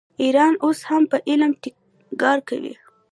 ایران اوس هم په علم ټینګار کوي.